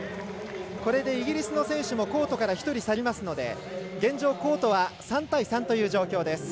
これでイギリスの選手もコートから１人、去りますので現状、コートは３対３という状況です。